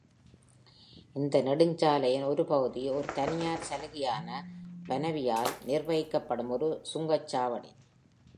இந்த நெடுஞ்சாலையின் ஒரு பகுதி ஒரு தனியார் சலுகையான பனவியால் நிர்வகிக்கப்படும் ஒரு சுங்கச்சாவடி.